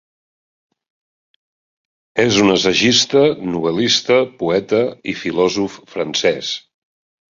És un assagista, novel·lista, poeta i filòsof francès.